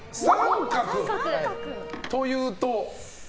△！というと？